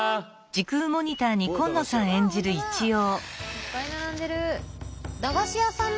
いっぱい並んでる。